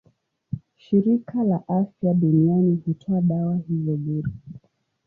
Shirika la Afya Duniani hutoa dawa hizo bure.